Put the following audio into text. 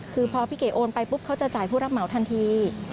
คือพอพี่เก๋โอนไปปุ๊บเขาจะจ่ายผู้รับเหมาทันที